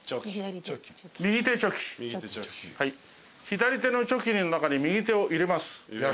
左手のチョキの中に右手を入れます。